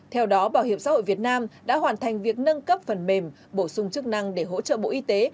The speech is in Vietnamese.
theo đó bảo hiểm xã hội việt nam đã hoàn thành việc nâng cấp phần mềm bổ sung chức năng để hỗ trợ bộ y tế